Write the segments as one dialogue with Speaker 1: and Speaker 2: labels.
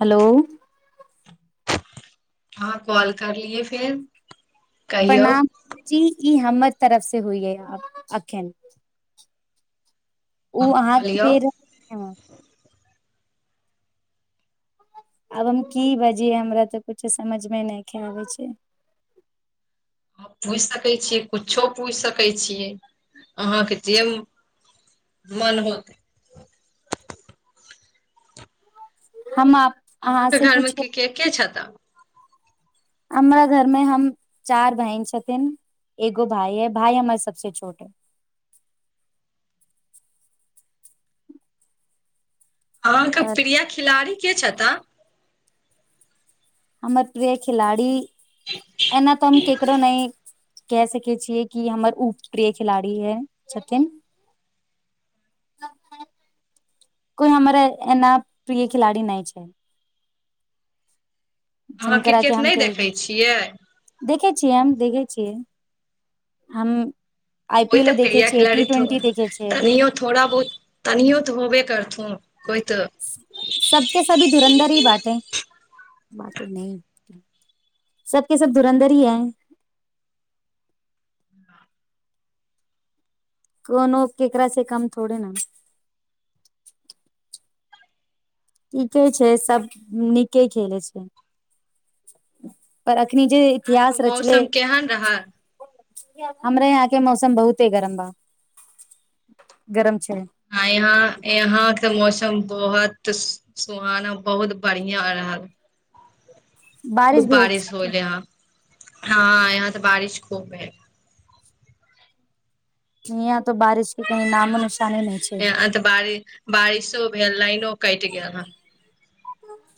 Speaker 1: Hello
Speaker 2: हँ call करलियए फेर। कहियौ
Speaker 1: प्रणाम जी ई हमर तरफ से होइ यै अखन। ओ
Speaker 2: अहाँ
Speaker 1: अहाँके
Speaker 2: बोलियौ
Speaker 1: बेर रहल आब हम की बजियै हमरा तऽकछो समझमे नहि ख आबै छै।
Speaker 2: ह पूछि सकै छियै किछो पूछि सकै छियै। अहाँके छिय मन होतै
Speaker 1: हम अहाँ
Speaker 2: अहाँके
Speaker 1: से
Speaker 2: घरमे
Speaker 1: पूछिय
Speaker 2: के के छता।
Speaker 1: हमरा घर मे हम चार बहिन छथिन एगो भाय है भााय हमर सबसे छोट है।
Speaker 2: हँ एक
Speaker 1: और
Speaker 2: प्रिय खिलाड़ी के छता।
Speaker 1: हमर प्रिय खिलाड़ी एना त केकरो नहि क सकै छियै कि हमर उ प्रिय खिलाड़ी है छथिन कोई हमर एना प्रिय खिलाड़ी नहि छै।
Speaker 2: अहाँ
Speaker 1: जिनकरा के
Speaker 2: क्रिकेट नहि देखैत छियै।
Speaker 1: जि हम देखै छियै हम
Speaker 2: ओ
Speaker 1: आईपीएलो
Speaker 2: त
Speaker 1: देखे
Speaker 2: प्रिया
Speaker 1: छियै टी
Speaker 2: खिलाड़ी थो
Speaker 1: ट्वेंटी देखे छियै
Speaker 2: तनयो थोड़ा बहुत तनिो त होबे करथौ।
Speaker 1: सबके सभी धुरन्धर ही बाँटे। बाते न सबबके सब धुरन्धर ही है [unintelligible] कोनो केकरा से काम थोड़े ने। ठीके छै सब नीके खेलै छै पर कखनी जे
Speaker 2: आइके
Speaker 1: इतिहास रचल
Speaker 2: मौसम केहन रहल
Speaker 1: हमरा यहाँके मौसम बहुतते गरम बा गरम छै।
Speaker 2: ह यहाँ यहाँके मौसम बहुत सुहाना बहुत बढ़ििया रहल।
Speaker 1: बारिश
Speaker 2: खूब
Speaker 1: भीज छै।
Speaker 2: होले हँ हँ यहाँ त बारिश खूब है।
Speaker 1: यहाँ तो बारिश के कहीं
Speaker 2: ह
Speaker 1: नामो निशाने नहि छै
Speaker 2: तऽ बारी बारिश त भेल लइनो कटि गेल हे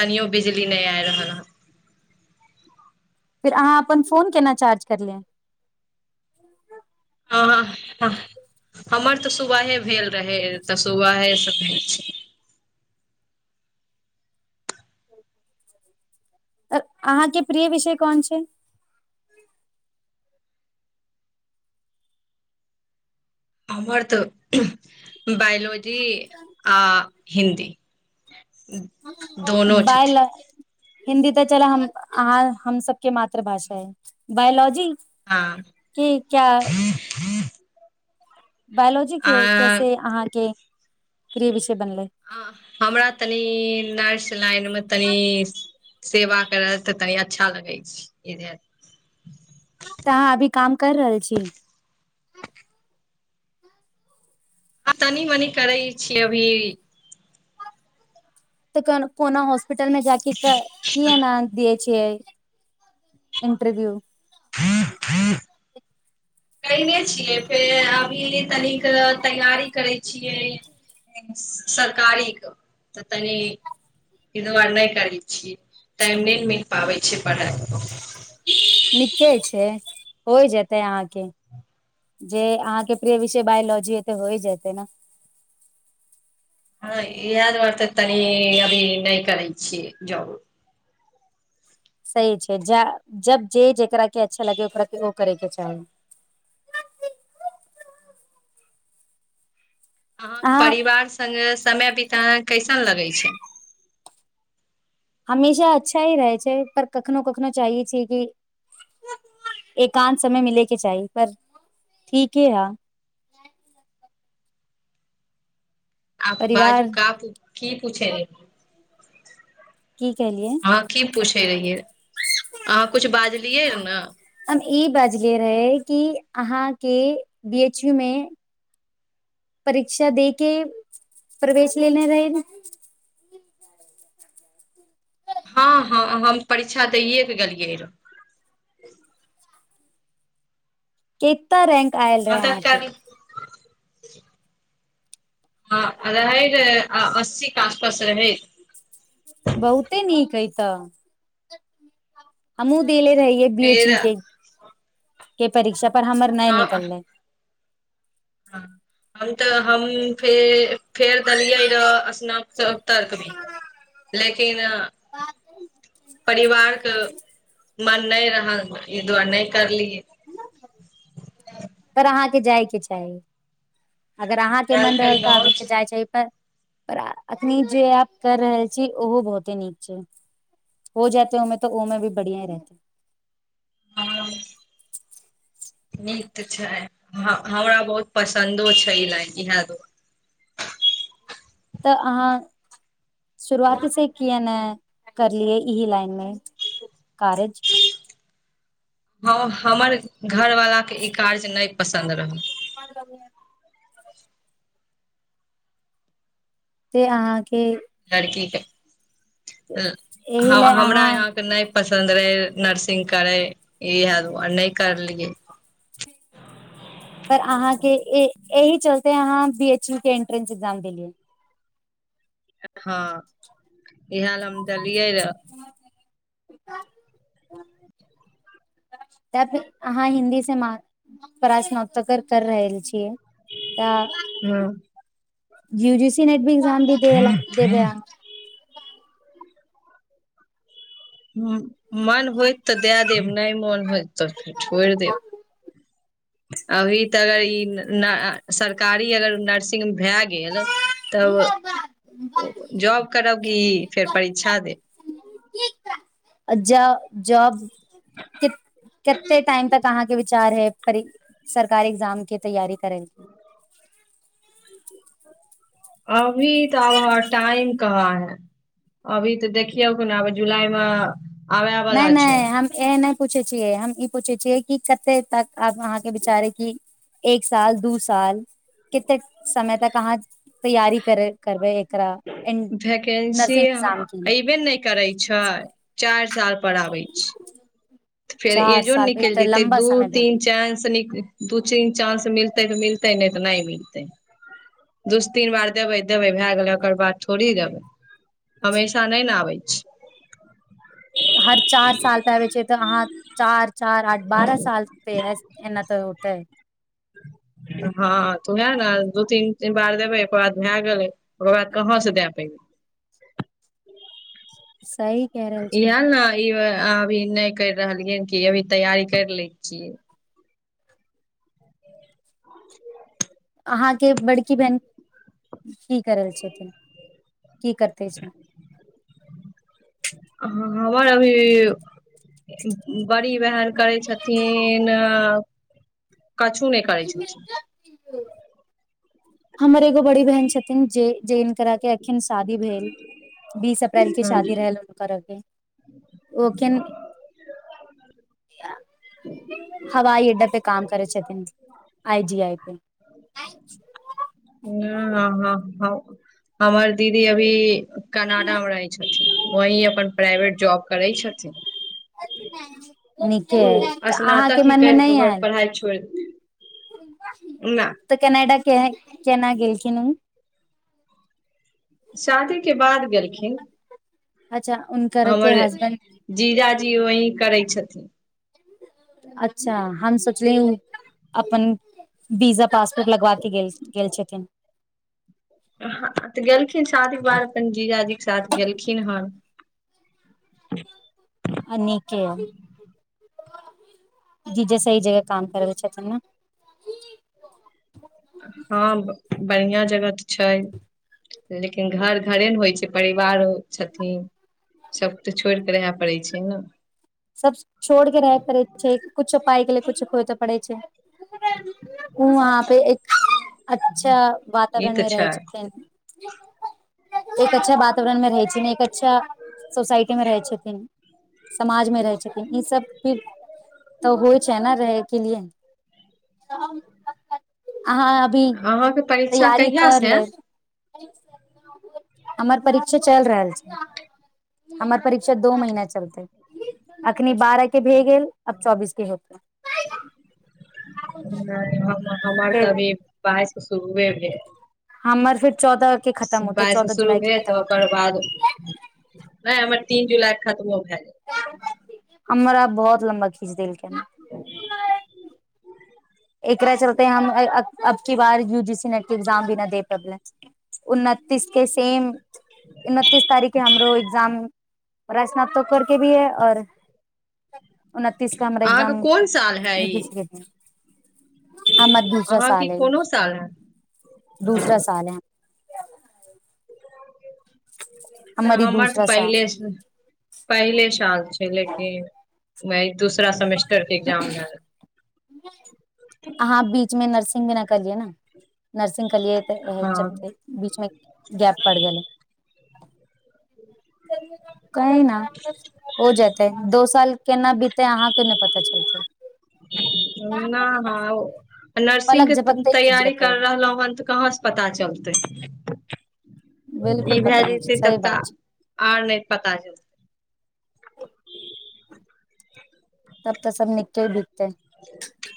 Speaker 2: तनीयो बिजली नहि आई रहल हँ
Speaker 1: फेर अहाँ अपन फोन केना चार्ज कर लिय
Speaker 2: तऽ हँ हमर त सुबहे भेल रहैय सुबह से भेल छ
Speaker 1: अहाँके प्रिय विषय कोन छै
Speaker 2: हमर तऽ बायोलॉजी आ हिन्दी दोनो
Speaker 1: बाय ल
Speaker 2: छथिन
Speaker 1: हिन्दी तऽ चलऽ अहाँ हम सबके मातृभाषा है बायोलॉजी
Speaker 2: हँ
Speaker 1: के क्या
Speaker 2: ह ह
Speaker 1: बायोलॉजी के कैसे अहाँके प्री विषय बनलै
Speaker 2: आ हमरा तनी न लाइन मे तनी सेवा कर तऽ तनी अच्छा लगै छै इधर
Speaker 1: तऽहाँ अभी काम कर रहल छी
Speaker 2: हँ तनी मनि करै छियै अभी
Speaker 1: तऽ को कोना होस् पिटल में जाके की एना दिय इन्टरव्यू
Speaker 2: कने छियै फेर अभी तनिक तैयारी करै छियै सरकारीके तऽ तनि एहि दुआरे नहि करै छियै टाइम नहि ने मिल पाबै छैिय पढ़ाइ
Speaker 1: निके छै हो जेतै अहाँके जे अहाँके प्रिय विषय बायोलॉजी हेतै होइ जेतै ने
Speaker 2: हँ इएह दुआरे तऽ तनी अभी नहि करै छियै जॉब
Speaker 1: सही छै जा जब जे जेकरा के अच्छा लगे ओकरा के ओ करेके चाही
Speaker 2: अहाँ परिवार संगे समय बितायब कैसन लगै छै
Speaker 1: हमेशा अच्छा ही रहै छै पर कखनो कखनो छियै कि एकान्त समय मिलेके चाही पर ठीके है
Speaker 2: आ
Speaker 1: परिवार
Speaker 2: बाजू क की पूछे रहे
Speaker 1: की कैयलियै
Speaker 2: से
Speaker 1: हम ई बाजले रहे कि अहाँ के बी एच यू मे परीक्षा दे के प्रवेश लेने रहै न
Speaker 2: हँ हँ हम परीक्षा दैए कऽ गेलियै रहऽ
Speaker 1: केत रैंक आयल रहेै अहाँके
Speaker 2: से ह रहे रह अस्सीे आसपास रहै
Speaker 1: बहुते नीक अइ तऽ हमू देले रहियै बी एच
Speaker 2: फेर
Speaker 1: यू के
Speaker 2: आ,
Speaker 1: ई परीक्षा पर हमर नहि निकल लैय
Speaker 2: ह हम तऽ हम फे फेर देलियै रह स्नत तर्क भी लेकिन परिवारके मन नहि रहल ई दुआरे नहि करलियै
Speaker 1: के जाइके चाही अगर अहाँके
Speaker 2: आयल
Speaker 1: मन
Speaker 2: फेर
Speaker 1: रहल तऽ
Speaker 2: गाँव
Speaker 1: अके
Speaker 2: छै,
Speaker 1: जाइ पर पर अखनी जे आप कर रहल छी ओहो बहुते नीक छै हो जाते ओमे तऽ ओमे भी बढ़िया ही रहते
Speaker 2: हँ नीक छै हमरा बहुत पसन्दो छै ई लाइन इएह दुआरे
Speaker 1: तऽ अहाँ शुरुआतीसँ किए ने करलियै इह लाइन मे कारज
Speaker 2: हँ हमर घरवालाक के ई कारज नहि पसन्द रहल
Speaker 1: से अहाँके
Speaker 2: लड़कीे के
Speaker 1: एहि ले
Speaker 2: हमरा
Speaker 1: अहाँ
Speaker 2: यहाँके नहि पसन्द रहै नर्सिंग करै इह नहि करलियै
Speaker 1: पर अहाँके एहि चलते अहाँ बी एच यू के एंट्रेंस एक्जाम देलियै
Speaker 2: हँ इहाल हम त अ दिय रह
Speaker 1: त अहाँ हिन्दी से प्रास्नात्तर कर रहल छियै तऽ
Speaker 2: हँ
Speaker 1: यूजी सी नेट भी ए्जाम भी देबै अहाँ
Speaker 2: मन होइत तऽ दए देब नहि मोन होइत तऽ छोड़ि देब अभी तऽ अगर ई सरकारी अगर नर्सिंग भए गेल तब जॉब करब की फेर परीक्षा देब
Speaker 1: ज जॉब कते टाइम तक अहाँके विचार है सरकारी एग्जाम के तैयारी करै
Speaker 2: अभी तऽ अब ह टाइम कहाँ है अभी तऽ देखियौ ने अ जुलाई मे आबे
Speaker 1: नइ
Speaker 2: वाला छै
Speaker 1: नइ हम ए नइ पूछे छियै हम ई पूछे छियै कि कते तकब अहाँ के विचारे क एक साल दू साल कते समय तक अहाँ तैयारी कर करबे
Speaker 2: भैकेंसी
Speaker 1: की
Speaker 2: अयबे ने नहि करै छै चारि साल पर आबै छै तऽ फेर
Speaker 1: चार
Speaker 2: एजो ने
Speaker 1: साल पे
Speaker 2: निकलि
Speaker 1: तऽ
Speaker 2: जेते
Speaker 1: लम्बा
Speaker 2: दू
Speaker 1: समय भए
Speaker 2: तीन
Speaker 1: गेल
Speaker 2: चांस न दू तीन चांस मिलते तऽ मिलते तै नहि तऽ नहि मिलतै दूस तीन बार देबै देबै भए गेलै ओकर बाद थोड़ी देबै हमेशा नहि ने आबै छै
Speaker 1: हर चार साल पबै छै तऽ अहाँ चार चार आठ बारह साल प एना त होतै
Speaker 2: हँ तऽ उएह ने दू तीन तीन बार देबै ओकर बाद भए गेलै ओ बाद कहाँ से देय पैबै
Speaker 1: सही कहि रहल छी
Speaker 2: ए न ई अभी नहि कर रहलियै कि अभी तैयारी करि लै छियै [inaudible]
Speaker 1: अहाँके बड़की बहिन की करैल छथिन की करते छै
Speaker 2: हँ हमर अभी बड़ी बहन करै छथिन कछू नहि करै छथि
Speaker 1: हमरे बड़ी बहन छथिन जे जेन तरह के अखन शादी भेल बीस अप्रैल के
Speaker 2: हँ
Speaker 1: शादी रहल हुनकर अग ओ के हवाई अड्डा पे काम करै छथिन आई जी आई पे
Speaker 2: ह ह हँ हमर दीदी अभी कनाडामे रहै छथिन वही अपन प्राइवेट जॉब करै छथिन चल
Speaker 1: अथ नहि
Speaker 2: ओ स्नातक ही कर के ओकर
Speaker 1: आयल
Speaker 2: पढ़ाइ छोड़ दे
Speaker 1: तऽ कनाडा के केना गेलखिन उ
Speaker 2: शादी के बाद गेलखिन
Speaker 1: अच्छा हुनकर के
Speaker 2: हमर
Speaker 1: हसबेंड
Speaker 2: जीजाजी वही करै छथिन
Speaker 1: अच्छा हम सोचली अपन वीजा पासपोर्ट लगवा क गेल गेल छथिन
Speaker 2: तऽ गेललखिन शादी बार प जीजाजी के साथ गेलखिन हन [inaudible]
Speaker 1: आ नीके य जी जे सही जगह काम करबे छथिन ने
Speaker 2: हँ बढ़ियां जगह तऽ छै लेकिन घर घरे ने होइ छै परिवार ओ छथिन सब तऽ छोड़ के रहय पड़ै छै ने
Speaker 1: सब छोड़ के रहै पड़ै छै कछो पाइके ले कछ होइ त पढ़ै छै उ वहाँ पे एक अच्छा
Speaker 2: ई
Speaker 1: वातावरण
Speaker 2: तऽ
Speaker 1: मे
Speaker 2: छै
Speaker 1: रहै छथिन एक अच्छा वातावरण में रह एक अच्छा सोसाइटी मे रहै छथिन समाज में ई सब तऽ होइ छै ने रहैके लिए अहाँ अभी
Speaker 2: अहाँके परीक्षा
Speaker 1: तैयारी
Speaker 2: कहिया
Speaker 1: कर
Speaker 2: से है
Speaker 1: लेब हमर परीक्षा चलि रहल छै हमर परीक्षा दो महीना चलतै अखनि बारह के भए गेल अब चौबीस के होत
Speaker 2: नहि हमर तऽ अभी बाइस शुरुए भेल
Speaker 1: हमर फेर चौदह के खतम होते
Speaker 2: बाइस
Speaker 1: चौदह
Speaker 2: शुरू
Speaker 1: जुलाई के
Speaker 2: भेल
Speaker 1: खतम
Speaker 2: तऽ ओकर
Speaker 1: होते
Speaker 2: बाद नहि हमर तीन जुलाई खतमो भे
Speaker 1: अर आ बहुत लम्बा खीच देलके एकरा चलते हम अबके बार यूजी सी नेट के एग्जाम भी नहि दे पबल उनतीस के सेम ऊनतीस तारीख़ हमरो इग्जाम ओ स्ना त करके भी है आऔर उन्तीसके हमरा
Speaker 2: अहाँके
Speaker 1: एग्जाम
Speaker 2: कोन साल है ई
Speaker 1: भसके हममरा दूसरा
Speaker 2: अहाँके
Speaker 1: साल है
Speaker 2: कोनो साल है
Speaker 1: दूसरा साल है
Speaker 2: तऽ
Speaker 1: ई
Speaker 2: हमर तऽ
Speaker 1: दूसरा
Speaker 2: पहिले
Speaker 1: साल
Speaker 2: पहिले साल छै लेकिन दूसरा सेमेस्टर के एग्जाम लए रहल।
Speaker 1: अहाँ बीच मे नर्स सिंग ना करलियए ने नर्सिंग कलियै तऽह
Speaker 2: हँ
Speaker 1: चलते बीचमे गैप पड़ि गेलै स कहै न हो जातेै दो साल केना बीते अहाँ के नहि पता चलत
Speaker 2: नहि ह नर्सिंग
Speaker 1: पलक
Speaker 2: के
Speaker 1: झपकते बीत
Speaker 2: तैयारी
Speaker 1: जेतै
Speaker 2: कर रहलहु हन तऽ कहाँसँ पता चलतै ई
Speaker 1: बिल्कुल
Speaker 2: भए
Speaker 1: पता नहि छै
Speaker 2: जतै तब
Speaker 1: सही
Speaker 2: तऽ
Speaker 1: बात छै
Speaker 2: आर नहि पता छै
Speaker 1: तब तऽ सब निकले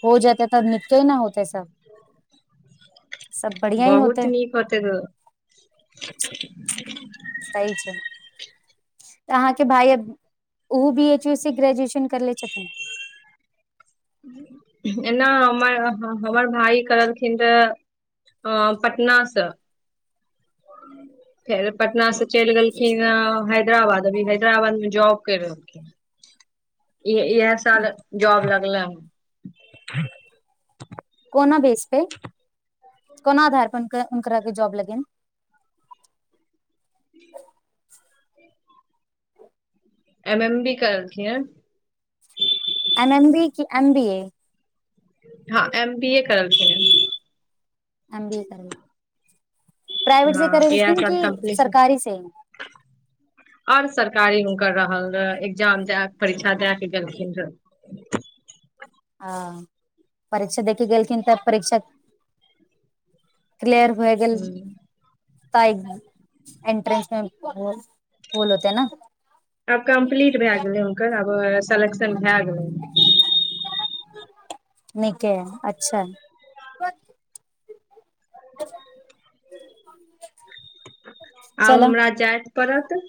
Speaker 1: हो जेतेै तब न केना होतै सब सब बढ़िया ही
Speaker 2: बहुत
Speaker 1: होतै
Speaker 2: निक होते त ठ ठीक
Speaker 1: सही छै तऽ अहाँके भाय अ ओहो बी एच यू स ग्रेजुएशन करले छथिन
Speaker 2: एना हमर हमर भाय करलखिन रह अ पटनासँ फेर पटना से चलि गेलखिन हैदराबाद अभी हैदराबाद मे जॉब कर रहलखिन इ इह साल जॉब लगले ह
Speaker 1: बेस पे कोन आधार पर जॉब लगेन
Speaker 2: ह एम एम बी करलखिन
Speaker 1: एम एम बी की एम बी ए
Speaker 2: हँ एम बी ए करलखिन
Speaker 1: एम बी ए कर
Speaker 2: हँ इह साल कम्प्लीट है
Speaker 1: सरकारी से
Speaker 2: आओर सरकारी हु कर रहल रह एग्जाम द परीक्षा दए के गेलखिन रह
Speaker 1: आ परीक्षा देख कऽ गेलखिन तऽ परीक्षा क्लियर भए गेल
Speaker 2: ह
Speaker 1: तैं ने एंट्रेन्स मे होल होते ने
Speaker 2: आब कम्प्लीट भए गेलै हुनकर आब सेलेक्शन भए गेलैन
Speaker 1: नीके अच्छा
Speaker 2: आब
Speaker 1: चलऽ
Speaker 2: हमरा जाइत परत